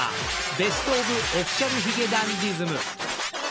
ＢｅｓｔｏｆＯｆｆｉｃｉａｌ髭男ｄｉｓｍ。